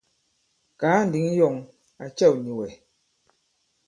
Kàa ǹdǐŋ yɔ̂ŋ à cɛ̂w nì wɛ̀.